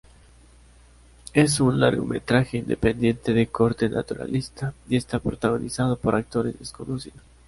Es un largometraje independiente de corte naturalista y está protagonizado por actores desconocidos.